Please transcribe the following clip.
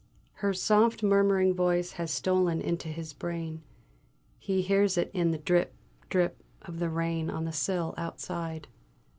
Her soft murmuring voice has stolen into his brain; he hears it in the drip, drip of the rain on the sill outside.